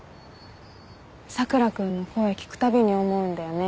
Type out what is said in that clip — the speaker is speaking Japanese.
佐倉君の声聞くたびに思うんだよね。